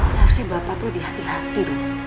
seharusnya bapak tuh dihati hati